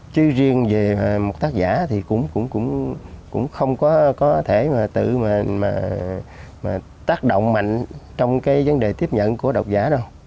chứ riêng về một tác giả thì cũng không có thể mà tự tác động mạnh trong cái vấn đề tiếp nhận của đọc giả đâu